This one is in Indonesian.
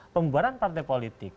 pemubaran partai politik